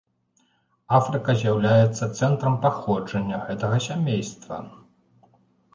Афрыка з'яўляецца цэнтрам паходжання гэтага сямейства.